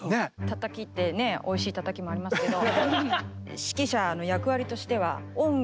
「たたき」ってねえおいしい「たたき」もありますけど。